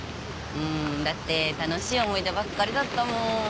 うんだって楽しい思い出ばっかりだったもん。